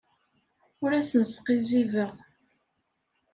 Ur asen-sqizzibeɣ.